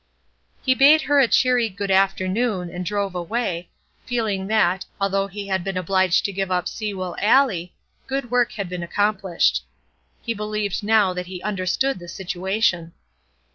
He bade her a cheery "Good afternoon!" and drove away, feeling that, although he had been obliged to give up Sewell Alley, good work had been accomplished. He believed now that he understood the situation.